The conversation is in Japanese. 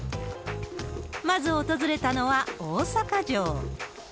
まず訪れたのは大阪城。